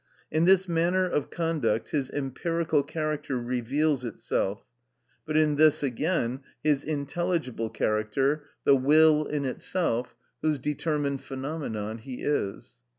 In this manner of conduct his empirical character reveals itself, but in this again his intelligible character, the will in itself, whose determined phenomenon he is.